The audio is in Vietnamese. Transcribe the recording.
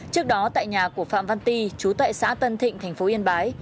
trước đó tại nhà của phạm văn ti trú tại xã tân thịnh tp yên bái